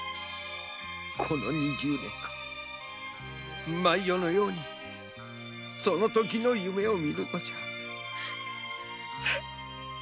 この二十年間毎夜のようにそのときの夢を見るのじゃ。